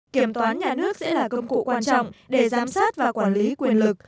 kiểm toán nhà nước sẽ là công cụ quan trọng để giám sát và quản lý quyền lực